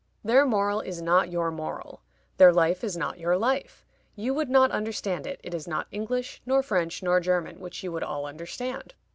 Their moral is not your moral; their life is not your life; you would not understand it; it is not English, nor French, nor German, which you would all understand.